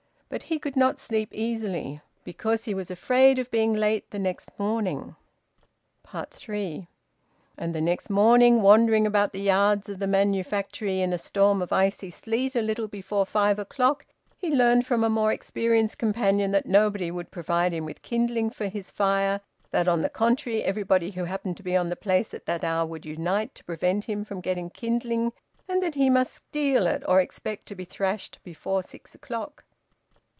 But he could not sleep easily because he was afraid of being late the next morning. THREE. And the next morning wandering about the yards of the manufactory in a storm of icy sleet a little before five o'clock, he learnt from a more experienced companion that nobody would provide him with kindling for his fire, that on the contrary everybody who happened to be on the place at that hour would unite to prevent him from getting kindling, and that he must steal it or expect to be thrashed before six o'clock.